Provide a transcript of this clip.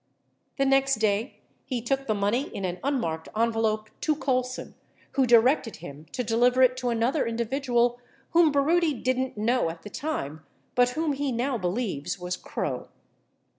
The next day he took the money in an unmarked envelope to Colson who directed him to deliver it to another individual whom Baroody didn't knoAv at the time but whom he now believes was Krogh.